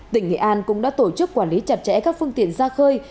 tỉnh nghệ an cũng đã tổ chức quản lý chặt chẽ các phương tiện ra khơi